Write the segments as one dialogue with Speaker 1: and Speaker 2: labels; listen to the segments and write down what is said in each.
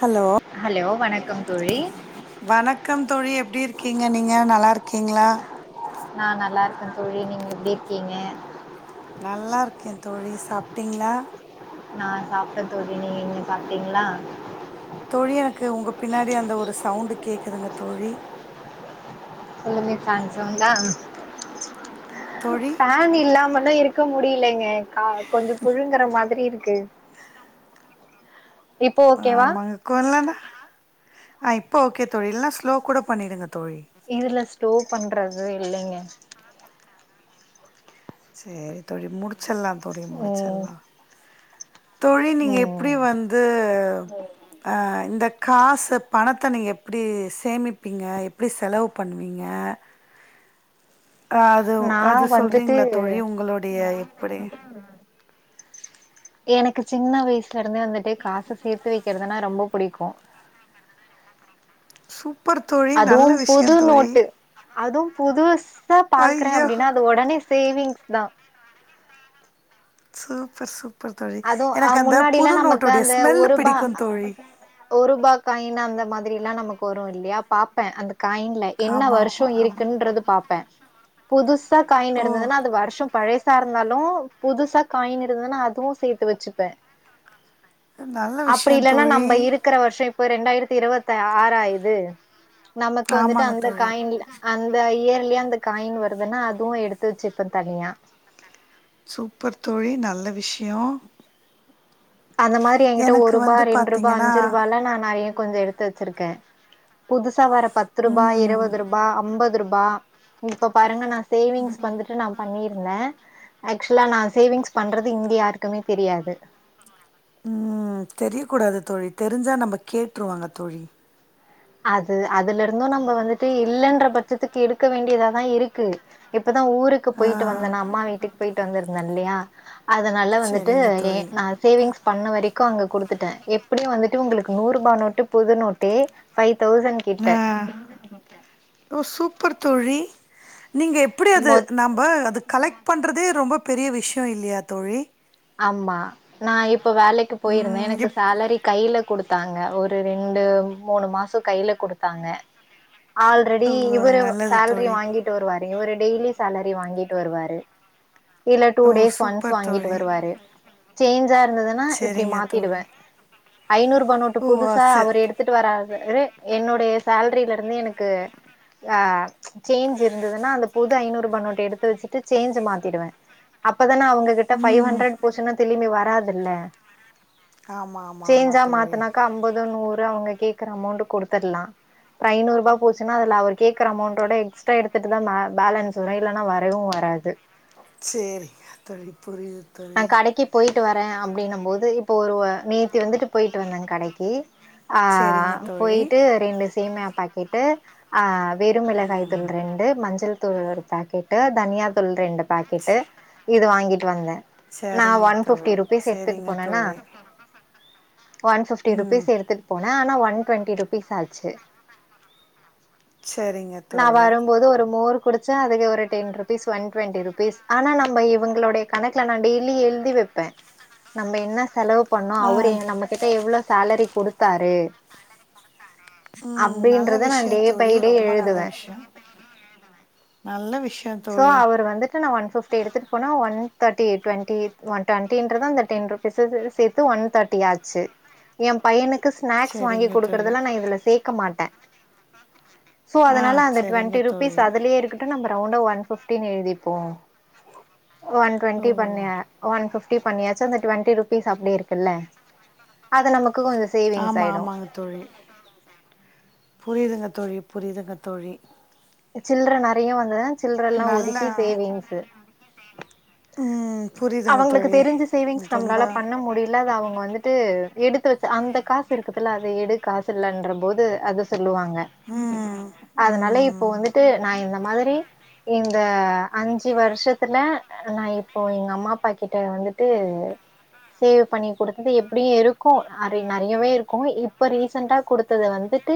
Speaker 1: Hello
Speaker 2: hello வணக்கம் தோழி
Speaker 1: வணக்கம் தோழி எப்டி இருக்கீங்க நீங்க நல்லார்க்கீங்ளா
Speaker 2: நா நல்லார்க்க தோழி நீங்க எப்டி இருக்கீங்க
Speaker 1: நல்லாருக்கே தோழி சாப்டிங்களா
Speaker 2: நா சாப்ட்டே தோழி நீ இங்க சாப்ட்டீங்களா
Speaker 1: தோழி எனக்கு உங்க பின்னாடி அந்த ஒரு சவுண்டு கேட்குதுங்க தோழி
Speaker 2: சொல்லுமே சான்ஸ் உண்டா
Speaker 1: தோழி
Speaker 2: ஃபேன் இல்லாமலு இருக்க முடியலங்க ஆ கொஞ்ச புழுங்கற மாதிரி இருக்கு இப்போ ஓகேவா
Speaker 1: ஆமாங்க கோலானா ஆ இப்போ ஓகே தோழி இல்லனா ஸ்லோ கூட பண்ணிடுங்க தோழி
Speaker 2: இதுல ஸ்லோ பண்றது இல்லைங்க
Speaker 1: சேரி தோழி முடிச்சிர்லா தோழி
Speaker 2: ம்
Speaker 1: முடிச்சர்லா தோழி நீங்க எப்புடி
Speaker 2: ம்
Speaker 1: வந்து ஆ இந்த காசு பணத்த நீங்கள் எப்புடி சேமிப்பீங்க எப்டி செலவு பண்ணுவீங்க ஆ அது
Speaker 2: நா
Speaker 1: அது
Speaker 2: வந்துட்டு
Speaker 1: சொல்றீங்கள தோழி உங்களுடைய எப்படி
Speaker 2: எனக்கு சின்ன வயசுல இருந்தே வந்துட்டு காச சேத்து வைக்கிறதுனா ரொம்ப புடிக்கு
Speaker 1: சூப்பர் தோழி நல்ல
Speaker 2: அதுவும்
Speaker 1: விஷய
Speaker 2: புது
Speaker 1: தோழி
Speaker 2: நோட்டு அதுவு புதுசா பாக்குறே
Speaker 1: ஐயோ
Speaker 2: அப்டின்னா அது உடனே சேவிங்ஸ் தா
Speaker 1: சூப்பர் சூப்பர் தோழி
Speaker 2: அதுவு அ
Speaker 1: எனக்கு அந்த
Speaker 2: முன்னாடில்லா
Speaker 1: புது
Speaker 2: நமக்கு
Speaker 1: நோட்டோடைய ஸ்மெல்லு பிடிக்கு தோழி
Speaker 2: ஒரு ரூபா காயின் அந்த மாதிரி எல்லா நமக்கு வரு இல்லையா பாப்பே அந்த காயின்ல என்ன
Speaker 1: ஆமா ஆமா
Speaker 2: வருஷோ
Speaker 1: ஆமா
Speaker 2: இருக்குன்றது பாப்பே புதுசா காயின்
Speaker 1: ஓ
Speaker 2: இருந்ததுன்னா அது வருஷம் பழைசார் இருந்தாலு புதுசா காயின்னு இருந்ததுன்னா அதுவு சேத்து வெச்சுப்பே
Speaker 1: நல்ல
Speaker 2: அப்டி
Speaker 1: விஷயம்
Speaker 2: இல்லன்னா
Speaker 1: தோழி
Speaker 2: நம்ம இருக்கிற வருஷம் இப்ப ரெண்டாயிரத்தி இருவத்தி ஆறா இது நமக்கு வந்துட்டு
Speaker 1: ஆமாங்க
Speaker 2: அந்த
Speaker 1: தோழி
Speaker 2: காயின்ல அந்த இந்த இயர்லியா அந்த காயின் வருதுன்னா அதுவு எடுத்து வச்சுப்ப தனியா
Speaker 1: சூப்பர் தோழி நல்ல விஷயோ
Speaker 2: அந்த மாரி என்கிட்ட ஒரு
Speaker 1: எனக்கு
Speaker 2: ரூபா
Speaker 1: வந்து
Speaker 2: ரெண்டு ரூபா
Speaker 1: பாத்தீங்கன்னா
Speaker 2: அஞ்சு ரூபாயால்லா நா நறைய கொஞ்ச எடுத்து வெச்சிருக்கே புதுசா வர பத்து ரூபா
Speaker 1: ம்
Speaker 2: இருவது ரூ பா அம்பது ரூபா இப்ப பாருங்க நா சேவிங்ஸ் வந்துட்டு நா பண்ணிர் இருந்தே ஆக்சுவலா நா சேவிங்ஸ் பண்றது இங்க யாருக்குமே தெரியாது
Speaker 1: ம் தெரியக்கூடாது தோழி தெரிஞ்சா நம்ம கேட்ருவாங்க தோழி
Speaker 2: அது அதுல இருந்து நம்ம வந்துட்டு இல்லன்ற பட்சத்துக்கு எடுக்க வேண்டியதாதா இருக்கு க்கு இப்பதா ஊருக்கு
Speaker 1: ஆ
Speaker 2: போயிட்டு வந்தேனா அம்மா வீட்டுக்கு போயிட்டு வந்திருந்தே இல்லையா அதனால வந்துட்டு
Speaker 1: சரிங்க
Speaker 2: லே
Speaker 1: தோழி
Speaker 2: நா சேவிங்ஸ் பண்ண வரைக்கு அங்க குடுத்துட்டேன் எப்படியு வந்துட்டு உங்களுக்கு நூறு ரூபா நோட்டு புது நோட்டு ஃபை தௌசண்ட்
Speaker 1: ஆ ஓ சூப்பர் தோழி நீங்க எப் ப்டி அது
Speaker 2: மொத்
Speaker 1: நம்ம அது கலெக்ட் பண்றதே ரொம்ப பெரிய விஷய இல்லையா தோழி
Speaker 2: ஆமா நா இப்ப வேலைக்கு போயிருந்தே
Speaker 1: ம்
Speaker 2: எனக்கு
Speaker 1: எப்
Speaker 2: சேலரி கையில குடுத்தாங்க ஒரு ரெண்டு மூணு மாசோ கையில குடுத்தாங்க ஆல்ரெடி
Speaker 1: ஓ
Speaker 2: இவரு
Speaker 1: நல்லது
Speaker 2: சேல்ரி
Speaker 1: தோழி
Speaker 2: வாங்கிட் ட்டு வருவாரு இவரு டெய்லி சேலரி வாங்கிட்டு வருவாரு இல்ல டூ
Speaker 1: ஓ
Speaker 2: டேஸ் ஒன்ஸ்
Speaker 1: சூப்பர்
Speaker 2: வாங்கிட்டு
Speaker 1: தோழி
Speaker 2: வருவாரு சேஞ்சா இருந்ததுன்னா இப்படி
Speaker 1: செரிங்க
Speaker 2: மாத்திடுவே
Speaker 1: தோழி
Speaker 2: ஐநூறுபா நோட்டு
Speaker 1: ஓ
Speaker 2: புதுசா
Speaker 1: ச
Speaker 2: அவர் எடுத் த்துட்டு வராரு என்னுடைய சேல்ரில இருந்து எனக்கு ஆ சேஞ்ச் இருந்ததுன்னா அந்த புது ஐநூறு நோட்ட எடுத்து வச்சுட்டு சேஞ்சு மாத்திடுவே அப்பதானே அவங்ககிட்ட ஃபைவ்
Speaker 1: ம்
Speaker 2: ஹண்ட்ரட் போச்சுன்னா திளிம்பி வராதுல்ல
Speaker 1: ஆமா ஆமா ஆமா
Speaker 2: சேஞ்சா
Speaker 1: தோழி
Speaker 2: மாத்தனாக்கா அம்பது நூறு அவுங்க கேக்குற அமௌண்ட் குடுத்துட்லா இப்ப ஐநூறுபா போச்சுனா அதுல அவரு கேக்குற அமௌண்டோட எக்ஸ்ட்ரா எடுத்துட்டுதா மே பேலன்ஸ் தோதா இல்லனா வரையவு வராது
Speaker 1: சேரி தோழி புரியு
Speaker 2: நா கடைக்கு போயிட்டு வரே அப்டினம் போது இப்ப ஒருவ நேத்தி வந்துட்டு போயிட்டு வந்தே கடைக்கு ஆ
Speaker 1: சேரிங்க தோழி
Speaker 2: போயிட்டு ரெண்டு சேமியா பாக்கெட்டு ஆ வெருமிளகாய் தூள் ரெண் டு மஞ்சள் தூள் ஒரு பாக்கெட்டு தனியா தூள் ரெண்டு பாக்கெட்டு
Speaker 1: ச-
Speaker 2: இது வாங்கிட்டு வந்தே நா
Speaker 1: சரிங்க
Speaker 2: ஒன் ஃபிஃப்டி
Speaker 1: தோழி
Speaker 2: ருபீஸ் எடுத்துட்டு
Speaker 1: சரிங்க
Speaker 2: போனனா
Speaker 1: தோழி
Speaker 2: ஒன் ஃபிஃப்டி
Speaker 1: ம்
Speaker 2: ருபீஸ் எடுத்துட் போனே ஆனா ஒன் டுவென்டி ருபீஸ் ஆச்சு
Speaker 1: சரிங்க
Speaker 2: நா
Speaker 1: தோழி
Speaker 2: வரும்போது ஒரு மோர் குடிச்சே அதுக்கு ஒரு ten rupees one twenty rupees ஆனா நம்ப இவங்களுடைய கணக் க நா டெய்லி எழுதி வெப்பே நம்ப என்ன செலவு பண்ணோ
Speaker 1: ஆ
Speaker 2: அவரு என்ன நம்மக் கிட்ட எவ்ளோ சாலரி குடுத்தாரு
Speaker 1: ம் நல்ல
Speaker 2: அப்டின்றத நா
Speaker 1: விஷ்ய
Speaker 2: டே பை
Speaker 1: தோழி
Speaker 2: டே
Speaker 1: ரொம்ப நல்ல
Speaker 2: எழுதுவே
Speaker 1: விஷ்ய
Speaker 2: சோ அவர் வந்துட்டு நா ஒன் ஃபிஃப்டி எடுத்துட்டு போனா ஒன் தேர்ட்டி டுவென்டி ஒன் டுவெனீடின்றதா அந்த டென் ருபீஸ சே சேத்து ஒன் தேர்ட்டி ஆச்சு எ பையனுக்கு ஸ்நாக்ஸ் வாங்கி
Speaker 1: செரிங்க தோழி
Speaker 2: குடுக்குறதுலா நா இதுல சேக்க மாட்டே சோ
Speaker 1: ஆ
Speaker 2: அதனால அந்த
Speaker 1: செரிங்க
Speaker 2: டுவென்டி ருபீஸ்
Speaker 1: தோழி
Speaker 2: அதுலே இருக்கு ன்ட்டு நம்ம ரவுண்டா ஒன் ஃபிஃப்டினு எழுதிப்போ ஒன்
Speaker 1: ஓ
Speaker 2: டுவென்டி பண்ண ஒன் ஃபிஃப்டி பண்ணியாச்சு அந்த டுவென்டி ருபீஸ் அப்டியே இருக்குல்ல அத நமக்கு கொஞ்ச
Speaker 1: ஆமா ஆமாங்க தோழி புரியுதுங்க தோழி புரியுதுங்க தோழி
Speaker 2: இப்ப சில்ற நெறையா வந்ததுனா சில்றலா
Speaker 1: நல்ல
Speaker 2: ஒதுக்கி சேவிங்ஸு
Speaker 1: ம் புரியுதுங்க
Speaker 2: அவங்களுக்கு
Speaker 1: தோழி
Speaker 2: தெரிஞ்சு சேவிங்ஸ்
Speaker 1: ரொம்ப
Speaker 2: நம்ளால பண்ண முடியல் இல்ல அத அவ்ங்க வந்துட்டு எடுத்து வச்ச அந்த காசு இருக்குதுல அத எடு காசு இல்லன்ற போது அத சொல்லுவாங்க
Speaker 1: ம்
Speaker 2: அதனால இப்போ
Speaker 1: ம்
Speaker 2: வந்துட்டு நா இந்த மாதிரி இந்த அஞ்சு வருஷத்துல நா இப் இப்போ எங்க அம்மாப்பா கிட்ட வந்துட்டு சேவ் பண்ணி குடுத்தது எப்டியு இருக்கு அரை நெறையாவே இருக்கு இப்ப ரீசண்டா குடுத்தது வந்துட்டு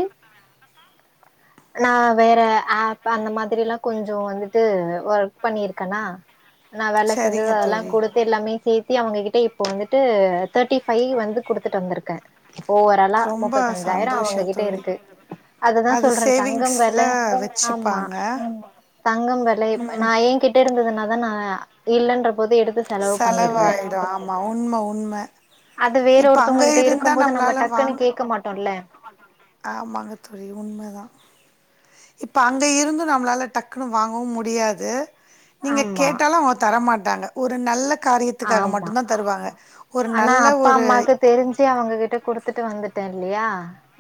Speaker 2: நா வேற ஆப் அந்த மாதிரிலா கொஞ்சோ வந்துட்டு ஒர்க் பண்ணிருக்கனா நா வேல செஞ்சது
Speaker 1: செரிங்க
Speaker 2: அதெல்லா
Speaker 1: தோழி
Speaker 2: குடுத் து எல்லாமே சேத்தி அவுங்ககிட்ட இப்போ வந்துட்டு தேர்டி ஃபைவ் வந்து குடுத்துட்டு வந்திருக்கே ஒவராலா
Speaker 1: ரொம்ப
Speaker 2: முப்பத்தஞ்சாயிர
Speaker 1: சந்தோஷோ
Speaker 2: அவுங்ககிட்ட
Speaker 1: தோழி
Speaker 2: இருக்கு அததா
Speaker 1: அது
Speaker 2: சொல்றே தங்கம்
Speaker 1: சேவிங்ஸ்ல
Speaker 2: வெல ஆமா
Speaker 1: வச்சுப்பாங்க
Speaker 2: தங்கம் வெலை
Speaker 1: ம்
Speaker 2: இப்ப நா ஏ கிட்ட இருந்ததுனா தா நா இல்லன்ற போது எடுத்து செலவு பண்ணிடுறே
Speaker 1: செலவாயிடு ஆமா உண்ம உண்ம
Speaker 2: அது வேற
Speaker 1: இப்ப அங்க
Speaker 2: ஒருத்தவ்ங்ககிட்ட இருக்கும்
Speaker 1: இருந்தா
Speaker 2: போது நம்ம
Speaker 1: நம்மளால
Speaker 2: டக்குன்னு
Speaker 1: வாங்
Speaker 2: கேக்க மாட்டோல்ல
Speaker 1: ஆமாங்க தோழி உண்மதா இப்ப அங்க இருந்து நம்மளால டக்குன்னு வாங்கவு முடியாது நீங்க
Speaker 2: ஆமா
Speaker 1: கேட்டாலு அவ்ங்க தரமாட்டாங்க ஒரு நல்ல காரியத்துக்காக
Speaker 2: ஆமா
Speaker 1: மட்டு்ந்தா தருவாக ஒரு நல்ல ஒரு
Speaker 2: தெரிஞ்சே அவ்ங்ககிட்ட குடுத்துட்டு வந்துட்டே இல்லையா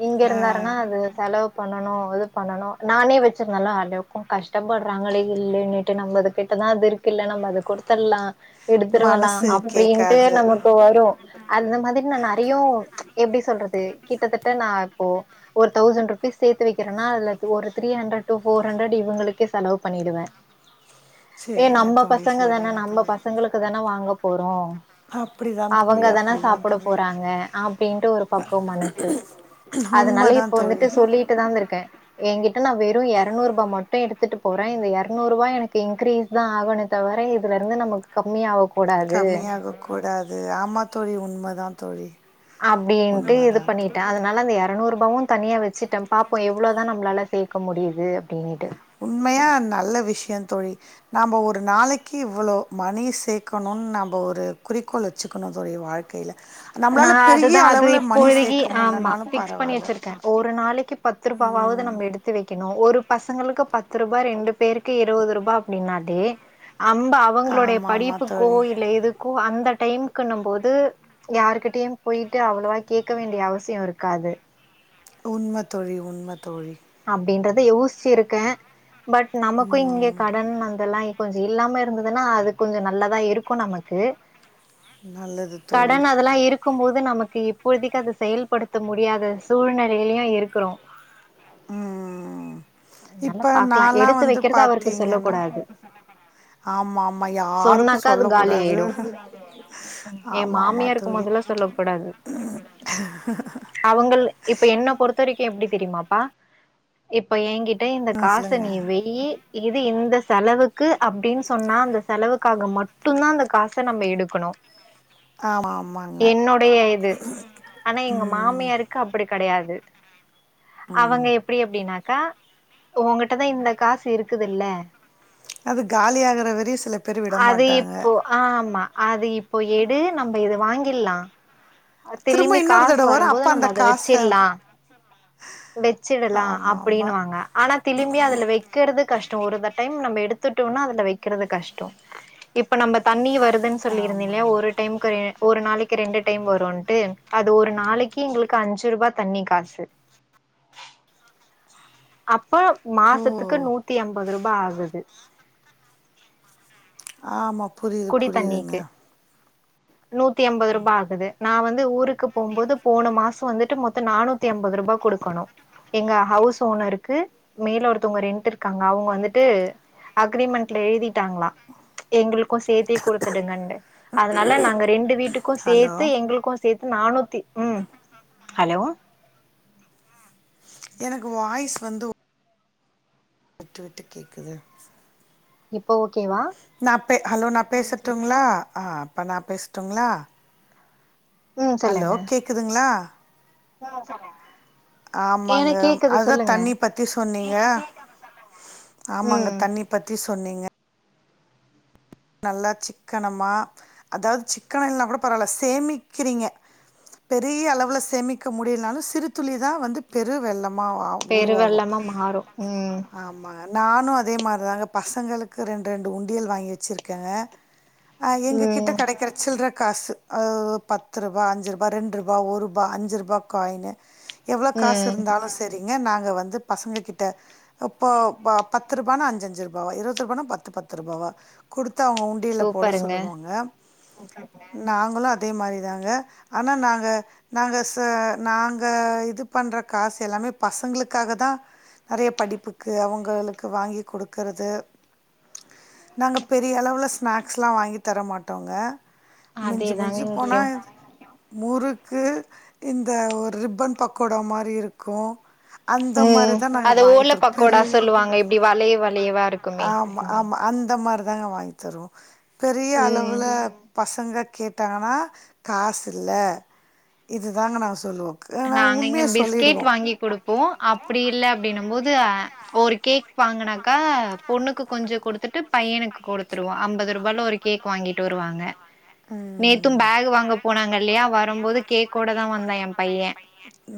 Speaker 2: இங்க
Speaker 1: ஆ
Speaker 2: இருந்தாருனா அது செலவு பண்ணனு இது பண்ணனு நானே வச்சிருந்தல அதுக்கு கஷ்டப்பட்றாங்களே இல்லைனேட்டு நம்ம கிட்ட தா அது இருக் இல்ல நம்ம அத குடுத்துற்லா ஷோ குடுத்துருவலா
Speaker 1: மனசு
Speaker 2: அப்டின்ட்டு
Speaker 1: கேக்காது
Speaker 2: நம்ம வரு அந்த மாதிரி நா நெறையோ எப்டி சொல்றது கிட்டத்தட்ட நா இப்போ ஒரு தௌசண்ட் ருப்பீஸ் சேத்து வைக்கிறேகேன்னா அதுல two or three hundred two four ஹண்ட்ரட்ர்வ் இவுங்களுக்கே செலவு பண்ணிடுவே ஏ
Speaker 1: சேரிங்க
Speaker 2: நம்ம
Speaker 1: தோழி
Speaker 2: பசங்க தானே
Speaker 1: சேரிங்க
Speaker 2: நம்ம
Speaker 1: தோழி
Speaker 2: பசங்களுக்கு தானே வாங்க போறோ
Speaker 1: அப்டிதா தோழி
Speaker 2: அவங்கதானே
Speaker 1: அப்டிதா
Speaker 2: சாப்ட
Speaker 1: தோழி
Speaker 2: போறாங்க அப்டின்ட்டு ஒரு பக்கோ மனசு அதனால
Speaker 1: உண்மதா
Speaker 2: இப்ப வந்துட்டு
Speaker 1: தோழி
Speaker 2: சொல்லிட்டு தாங்க இருக்கே ஏ கிட்ட நா வெறு இரநூறு ரூபா மட்டு எடுத்துட்டு போறே இந்த இருநூறு ரூபாய் எனக்கு இன்க்ரீஸ் நா ஆவாணே தவிர இதுல இருந்து நமக்கு கம்மியாவ்
Speaker 1: கம்மியாக கூடாது ஆமா தோழி உண்ம தா தோழி
Speaker 2: அப்டின்ட்டு இது
Speaker 1: உண்மதா தோழி
Speaker 2: பண்ணிட்டே அதனால அந்த இரநூறு ரூபாவு தனியா வச்சுட்டே பாப்போ எவ்ளோதா நம்மளால சேக்க முடியுது அப்டின்ட்டு
Speaker 1: உண்மையா நல்ல விஷ்யோ தோழி நம்ம ஒரு நாளைக்கி இவ்ளோ மணி சேக்கணுன்னு நம்ம ஒரு குறிக்கோள் வச்சுக்கணு தோழி வாழ்க்
Speaker 2: நா அதுதா அது
Speaker 1: மணி
Speaker 2: இப்போதைக்கு
Speaker 1: சேக்க
Speaker 2: ஆமா
Speaker 1: முடிலனாலும்
Speaker 2: பிக்ஸ் பண்ணி
Speaker 1: பரவால்ல.
Speaker 2: வச்சிருக்கே ஒரு நாளைக்கு பத்து ரூபாவாவது
Speaker 1: ம்.
Speaker 2: நம்ம எடுத் து வைக்கணு ஒரு பசங்களுக்கு பத்து ரூபா ரெண்டு பேருக்கு இருவது ரூபா அப்டின்னாலே அம்ப அவங்களுடைய
Speaker 1: ஆமா ஆமா
Speaker 2: படிப்புக்கு
Speaker 1: தோழி.
Speaker 2: இல்ல எதுக்கு அந்த டைமுக்குண்ணு போது யாருகிட்டயு போயிட்டு அவ்ளோவா கேட்க வேண்டிய அவசியோ இருக்காது
Speaker 1: உண்ம தோழி உண்ம தோழி
Speaker 2: அப்டின்றத யோசிச்சி இருக்கே பட் நமக்கு இங்க
Speaker 1: ம்.
Speaker 2: கடன் வந்தெல்லா இப்ப கொஞ்சோ இல்லாம இருந்ததுன்னா அது கொஞ்சோ நல்லதா இருக்கு நமக்கு
Speaker 1: நல்லது தோழி.
Speaker 2: கடன் அதலா இருக் க்கு போதே நமக்கு இப்போதைக்கு அது செயல்படுத்த முடியாத சூழ்நிலையிலயு இருக்கறோ
Speaker 1: உம்
Speaker 2: அதனால
Speaker 1: இப்ப
Speaker 2: பாக்கலா
Speaker 1: நாலா
Speaker 2: எடுத்து
Speaker 1: வந்து
Speaker 2: வைக்கிறது அவருக்கு சொல்ல
Speaker 1: பாத்தீங்கென்னா
Speaker 2: கூடாது
Speaker 1: ஆமா ஆமா யாருக்கு சொல்ல கூடாது
Speaker 2: ஏ மாமியாருக்கு மொதல்ல சொல்ல கூடாது அவ்ங்கள் இப்ப என்ன பொறுத்த வரைக்கு எப்டி தெரியுமாப்பா இப்ப ஏ கிட்ட இந்த
Speaker 1: ஆ
Speaker 2: காச
Speaker 1: சொல்லுங்க.
Speaker 2: நீ வெய்யி இது இந்த செலவுக்கு அப்டின்னு சொன்னா அந்த செலவுக்காக மட்டு தா அந்த காச நம்ம எடுக்கணு
Speaker 1: ஆமா ஆமாங்க.
Speaker 2: என்னோடைய இது ஆனா எங்க
Speaker 1: ம்
Speaker 2: மாமியாரு க்கு அப்டி கெடையாது அவ்ங்க எப்டி அப்டின்னாக்கா ஒங்கிட்டதா இந்த காசு இருக்குது இல்ல
Speaker 1: அது காளியா ஆகுற வரையு சில பேர்
Speaker 2: அது
Speaker 1: விடமாட்டாங்க
Speaker 2: இப்போ ஆமா அது இப்போ எடு நம்ம இத வாங்கிற்லா
Speaker 1: திரும்ப
Speaker 2: திலும்பி
Speaker 1: இன்னொரு
Speaker 2: காஸ்
Speaker 1: தடவ வரு
Speaker 2: வரும்போது
Speaker 1: அப்ப அந்த
Speaker 2: நம்ம அத
Speaker 1: காச
Speaker 2: வச்சிட்லா வெச்சிடலா
Speaker 1: ஆமா ஆமா
Speaker 2: அப்டின்னு வாங்க ஆனா திலும்பி அதுல வை கிறது கஷ்டோ ஒரு தட் டைம் நம்ம எடுத்துட்டோனா அதுல வைக்கிறது கஷ்டோ இப்ப நம்ம தண்ணி வரு வர்துன்னு சொல்லிருந்து இல்லையா
Speaker 1: ஆமாங்க
Speaker 2: ஒரு டைமுக்கு எ ஒரு நாளைக்கு ரெண்டு டைம் வரு சோண்டு அது ஒரு நாளைக்கி எங்களுக்கு அஞ்சு ரூபாய் தண்ணி காசு அப்ப
Speaker 1: ஓ
Speaker 2: மாசத்துக்கு நூத்தி ஐம்பது ரூபாய் ஆகுது
Speaker 1: ஆமா புரியுது
Speaker 2: குடி
Speaker 1: புரியுதுங்க
Speaker 2: தண்ணிக்கு. நூத்தி எம்பது ரூபா ஆகுது நா வந்து ஊருக்கு போகும்போது போன மாசோ வந்துட்டு மொத்தோ நானூத்தி ஐம்பது ரூபா குடுக்கணு எங்க ஹவுஸ் ஓனருக்கு மேல ஒருத்தவங்க ரென்ட் இருக்காங்க அவுங்க வந்துட்டு அக்ரிமெண்ட்ல எழுதிட்டாங்களா எங்களுக் கு சேத்தே குடுத்துடுங்கன்னுட்ட அதனால நாங்க ரெண்டு வீட்டுக்கு
Speaker 1: ஹலோ
Speaker 2: சேத்து எங்களுக்கு சேத்து நானூத்தி ம் ஹலோ
Speaker 1: எனக்கு வாய்ஸ் வந்து விட்டு விட்டு கேக்குது
Speaker 2: இப்போ ஓகே வா
Speaker 1: நா பே ஹலோ நா பேசட்டுங்களா ஆ அப்போ நா பேசட்டுங்களா
Speaker 2: ம்
Speaker 1: ஹலோ
Speaker 2: சொல்லுங்க
Speaker 1: கேக்குதுங்களா ஆமாங்க
Speaker 2: எனக்கு கேக்குது
Speaker 1: அதுதா
Speaker 2: சொல்லுங்க
Speaker 1: தண்ணி பத் பத்தி சொன்னீங்க ஆமாங்க
Speaker 2: ம்
Speaker 1: தண்ணி பத்தி சொன்னீங்க நல்லா சிக்கனமா அதாவது சிக்கனோ இல்லனா கூட பரவால்ல சேமிக்கறீங்க பெரிய அளவுல சேமிக்க முடியலனாலு சிறு துளிதா வந்து பெரு வெள்ளமா
Speaker 2: பெரு
Speaker 1: உருவாகு
Speaker 2: வெள்ளமா மாறு ம்
Speaker 1: ஆமா நானு அதே மாரிதாங்க பசங்களுக்கு ரெண்டு ரெண்டு உண்டியல் வாங்கி வெச்சுருக் க அ எங்க கிட்ட
Speaker 2: ம்
Speaker 1: கெடைக்கற சில்ற காசு அ பத்து ரூபா அஞ்சு ரூபா ரெண்டு ரூபா ஒர்ரூபா அஞ்சு ரூபா காயினு எவ்ளோ காசு
Speaker 2: ம்
Speaker 1: இருந்தாலு சரிங்க நாங்க வந்து பசங்க கிட்ட இப்போ ப பத்து ரூபான்னா அஞ்சஞ்சு ரூபாவா இருபது ரூபானா பத்து பத்து ரூபாவா குடுத்து அவங்க உண்டியல்ல போட
Speaker 2: சூப்பருங்க
Speaker 1: சொல்லுவோங்க நாங்களு அதே மாரி தாங்க ஆனா நாங்க நாங்க ச நாங்க இது பண்ற காசு எல்லாமே பசங்களுக்காக தா நெறைய படிப்புக்கு அவங்களுக்கு வாங்கி கொடுக்கறது நாங்க பெரிய அளவுல ஸ்நாக்ஸ்லா வாங்கி தர மாட்டோங்க மிஞ்சு
Speaker 2: அதேதாங்க
Speaker 1: மஞ்சு போனா
Speaker 2: இங்கயு
Speaker 1: முறுக்கு இந்த ஒரு ரிப்பன் பக்கோடா மாரி இருக்கு அந்த
Speaker 2: ம்
Speaker 1: மாரிதா நாங்க
Speaker 2: அத ஓல
Speaker 1: வாங்கித்தரு
Speaker 2: பக்கோடா
Speaker 1: பெரிய
Speaker 2: சொல்லுவாங்க இப்டி வளைய வளையவா இருக்குமே
Speaker 1: ஆம் ஆமா அந்த மாரி தாங்க வாங்கி தருவோ பெரிய
Speaker 2: ம்
Speaker 1: அளவுல பசங்க கே தானா காசு இல்ல இதுதாங்க நா சொல்லுவோ ஆனா
Speaker 2: நாங்க இங்க
Speaker 1: உண்மைய
Speaker 2: பிஸ்கெட்
Speaker 1: சொல்லிடுவோ
Speaker 2: வாங்கி கொடுப்போ அப் அப்டி இல்ல அப்டினும் போது அ ஒரு கேக் வாங்கனாக்கா பொண்ணுக்கு கொஞ்சோ கொடுத்துட் டு பையனுக்கு கொடுத்துருவோ ஐம்பது ரூபால ஒரு கேக் வாங்கிட்டு வருவாங்க நேத்தும் பேக் வாங்க போனாங்கல்லையா வரும்போது கேக்கோடதா வந்த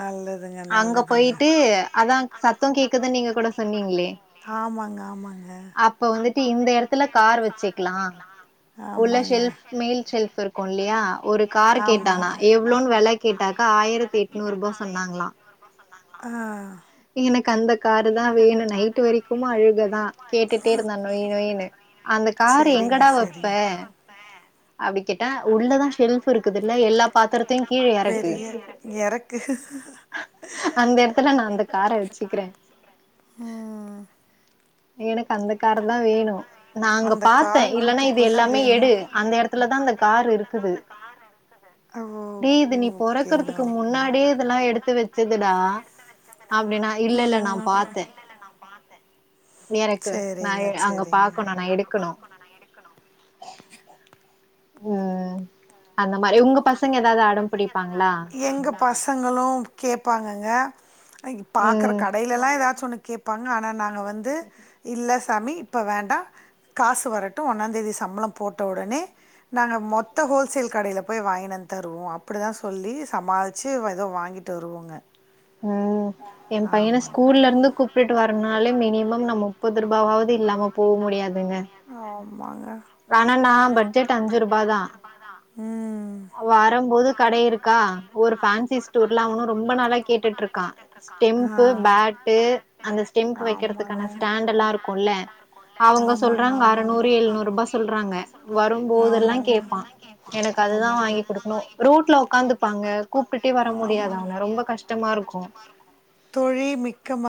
Speaker 1: நல்லதுங்க
Speaker 2: அங்க
Speaker 1: நல்லதுங்க
Speaker 2: போயிட்டு அதாங் சத்தோ கேக்குதுனு நீங்க கூட சொன்னீங்ளே
Speaker 1: ஆமாங்க ஆமாங்க
Speaker 2: இந்த எடத்துல கார் வெச்சிக்லா உள்ள
Speaker 1: ஆமாங்க
Speaker 2: ஷெல்ஃப் மேல் ஷெல்ஃப் இருக்குல்லியா ஒரு கார்
Speaker 1: ஆமாங்க
Speaker 2: கேட்டானா
Speaker 1: பார்
Speaker 2: எவ்ளோன்னு வெல கேட்டாக்கா ஆயிரத்தி எட்நூறு ரூபா சொன்னாங்ளா
Speaker 1: ஆ
Speaker 2: எனக்கு அந்த காருதா வேணு நைட்டு வரைக்கும்மா அழுகதா கேட்டுட்டே இருந்தா நொய் நொய்னு அந்த காரு
Speaker 1: வேணு அந்த
Speaker 2: எங்கடா
Speaker 1: கார
Speaker 2: வெப்ப அப்டி கேட்டா உள்ளதா ஷெல்ஃப் இருக்குதுல்ல எல்லா பாத்தரத்தையு
Speaker 1: பெரிய எறக்கு
Speaker 2: அந்த எடத்துல நா அந்த கார வெச்சுக்குற
Speaker 1: ம்
Speaker 2: எனக்கு அந்த காரதா வேணு நா அங்க
Speaker 1: அந்த நம்ம
Speaker 2: பாத்தே
Speaker 1: கார் பார்த்த
Speaker 2: இல்லன்னா இது
Speaker 1: வீட்டுக்குள்ள
Speaker 2: எல்லாமே
Speaker 1: வேணு
Speaker 2: எடு அந்த எடத்துலதா அந்த காரு இருக்குது
Speaker 1: ஓ
Speaker 2: டேய் இது நீ
Speaker 1: ஓகேங்க ஏது நீ
Speaker 2: பொறக்கறதுக்கு
Speaker 1: ஓகேங்க போன
Speaker 2: முன்னாடியே இதெல்லா எடுத்து வெச்சதுடா அப்டினா இல்ல இல்ல நா
Speaker 1: ம் அப்படின்னு. நான்
Speaker 2: பாத்தே நீ எறக்கு நா
Speaker 1: சேரிங்க
Speaker 2: அங்க
Speaker 1: சேரிங்க
Speaker 2: பாக்கணு நா எடுக்கணு ம் அந்த மாரி உங்க பசங்க எதாவது அடம் புடிப்பாங்ளா
Speaker 1: எங்க பசங்களு கேப்பாங்கங்க பாக்குற
Speaker 2: ம்
Speaker 1: கடையிலெல்லா எதாச்சு ஒன்னு கேப் பாங்க ஆனா நாங்க வந்து இல்ல சாமி இப்ப வேண்டா காசு வரட்டு ஒன்னாந்தேதி சம்பளம் போட்ட ஒடனே நாங்க மொத்த ஹோல்சேல் கடையில போய் வாங்கின்னு வந்து தருவோ அப்புடிதா சொல்லி சமாளிச்சு எதோ வாங்கிட்டு வருவோங்க
Speaker 2: ம் ஏ பையன
Speaker 1: ஆமாங்க
Speaker 2: ஸ்கூல்ல இருந்து கூப்புட்டு வர பண்ணாலே மினிமம் நா முப்பது ரூபாவாவது இல்லாம போ முடியாதுங்க
Speaker 1: ஆமாங்க
Speaker 2: வேணான்டா பட்ஜெட் அஞ்சு ரூபாதா
Speaker 1: ம்
Speaker 2: வரம் போது கடை இருக்கா ஒரு ஃபேன்சி ஸ்டூர்ல அவனு ரொம்ப நாளா கேட்டுட்ருக்கா
Speaker 1: ஆ
Speaker 2: ஸ்டெம்ப்பு ஃபேட்டு அந்த ஸ்டெம்ப்
Speaker 1: ஆமாங்க.
Speaker 2: வக்கிறதுக்கான ஸ்டாண்டெல்லா இருக்குல்ல அவுங்க
Speaker 1: ஆமாங்க
Speaker 2: சொல்றாங்க
Speaker 1: ஆமாங்க.
Speaker 2: அறநூறு எழுநூறு ரூபா சொல்றாங்க வரும்போதெல்லா
Speaker 1: ஆமாங்க
Speaker 2: கேப்பா எனக்கு
Speaker 1: ஆ
Speaker 2: அதுதா வாங்கி குடுக்கணு ரூட்ல உக்காந்துப்பாங்க கூப்புடுட்டே வர முடியாத அவன ரொம்ப கஷ் டமா இருக்கு
Speaker 1: தோழி மிக்க ம